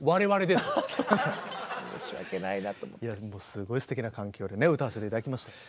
すごいすてきな環境でね歌わせて頂きましたよ。